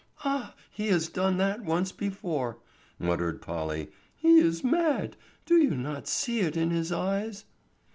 "Ah, he has done that once before!" muttered Polly. "He is mad! Do you not see it in his eyes?"